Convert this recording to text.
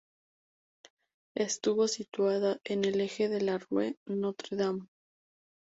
Estuvo situada en el eje de la Rue Notre Dame.